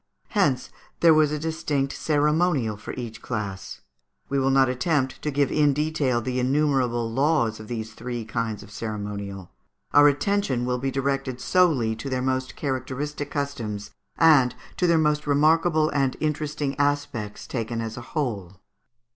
Hence there was a distinct ceremonial for each class. We will not attempt to give in detail the innumerable laws of these three kinds of ceremonial; our attention will be directed solely to their most characteristic customs, and to their most remarkable and interesting aspects taken as a whole.